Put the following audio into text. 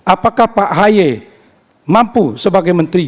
apakah pak ahy mampu sebagai menteri